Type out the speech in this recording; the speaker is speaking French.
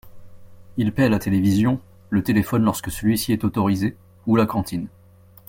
Ils paient la télévision, le téléphone lorsque celui-ci est autorisé, ou la cantine.